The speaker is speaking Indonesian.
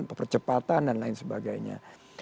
percepatan dan lain sebagainya